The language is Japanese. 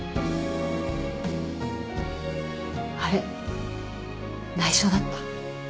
あれ内緒だった？